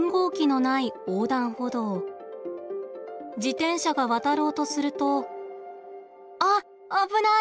自転車が渡ろうとするとあっ危ない！